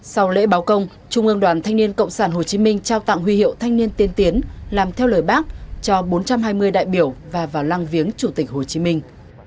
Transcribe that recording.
sau lễ báo công trung ương đoàn thanh niên cộng sản hồ chí minh trao tặng huy hiệu thanh niên tiên tiến làm theo lời bác cho bốn trăm hai mươi đại biểu và vào lăng viếng chủ tịch hồ chí minh